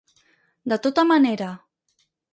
De tota manera.